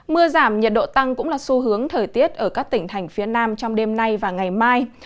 mưa giảm nhiệt độ tăng cũng là xu hướng thời tiết ở các tỉnh thành phía nam trong đêm nay và ngày mai